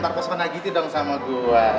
jadi gue ikutan juga